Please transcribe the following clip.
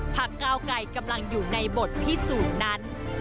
ก้าวไกรกำลังอยู่ในบทพิสูจน์นั้น